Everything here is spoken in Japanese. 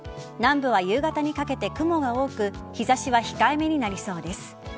南部は夕方にかけて雲が多く日差しは控えめになりそうです。